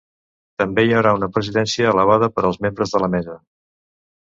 També hi haurà una presidència elevada per als membres de la mesa.